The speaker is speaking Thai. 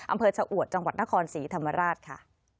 อำเภอชะอวดจังหวัดนครศรีธรรมราชค่ะ